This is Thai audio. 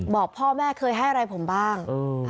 บอกพ่อแม่เคยให้อะไรผมบ้าง